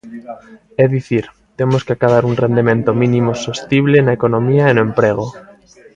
É dicir, temos que acadar un rendemento mínimo sostible na economía e no emprego.